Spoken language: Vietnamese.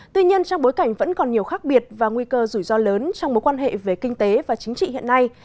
tuy nhiên trong bối cảnh vẫn còn nhiều khác biệt và nguy cơ rủi ro lớn trong mối quan hệ về kinh tế và chính trị hiện nay